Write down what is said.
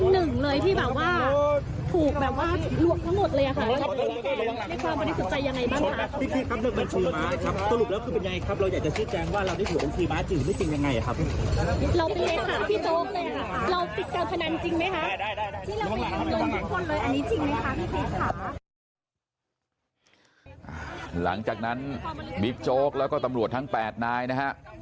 เงินทุกคนเลยอันนี้จริงไหมคะพี่พีชค่ะหลังจากนั้นบิ๊กโจ๊กแล้วก็ตำรวจทั้งแปดนายนะฮะ